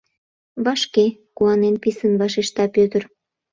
— Вашке! — куанен, писын вашешта Пӧтыр.